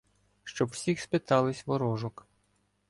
Щоб всіх спитались ворожок.